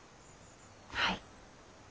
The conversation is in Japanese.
はい。